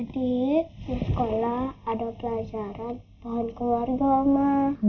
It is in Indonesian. tadi di sekolah ada pelajaran pohon keluarga oma